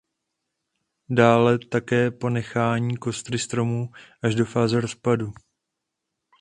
Dále také ponechání kostry stromů až do fáze rozpadu.